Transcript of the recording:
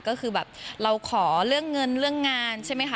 ก็คือแบบเราขอเรื่องเงินเรื่องงานใช่ไหมคะ